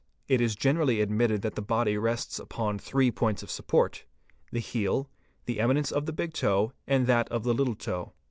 It is generally admitted that the body rests upon three points of support: the heel, the eminence of the big toe and that of the little toe.